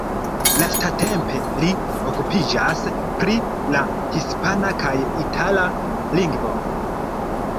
Lastatempe li okupiĝas pri la hispana kaj itala lingvoj.